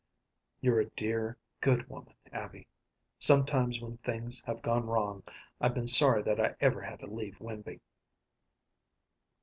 "You're a dear good woman, Abby. Sometimes when things have gone wrong I've been sorry that I ever had to leave Winby."